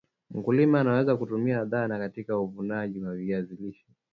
mkulima anaweza kutumia dhana katika uvunaji wa viazi lishe